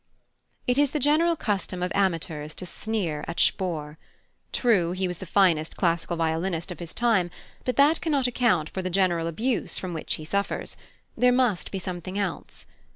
It is the general custom of amateurs to sneer at +Spohr+. True, he was the finest classical violinist of his time, but that cannot account for the general abuse from which he suffers: there must be something else.